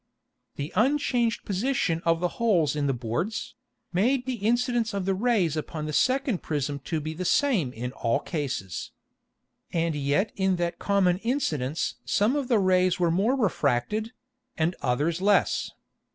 The unchanged Position of the holes in the Boards, made the Incidence of the Rays upon the second Prism to be the same in all cases. And yet in that common Incidence some of the Rays were more refracted, and others less.